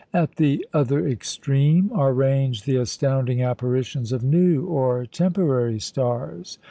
At the other extreme are ranged the astounding apparitions of "new," or "temporary" stars.